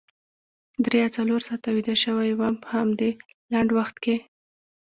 درې یا څلور ساعته ویده شوې وم په همدې لنډ وخت کې.